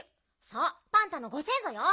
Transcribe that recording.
そうパンタのご先ぞよ。